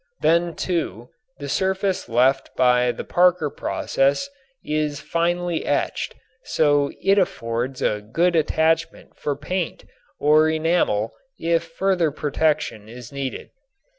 Then, too, the surface left by the Parker process is finely etched so it affords a good attachment for paint or enamel if further protection is needed.